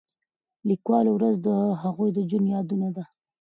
د لیکوالو ورځ د هغوی د ژوند یادونه ده.